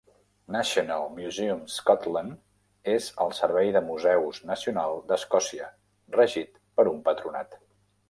National Museums Scotland és el servei de museus nacional d'Escòcia, regit per un patronat.